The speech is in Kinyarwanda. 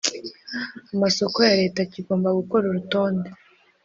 Amasoko ya Leta kigomba gukora urutonde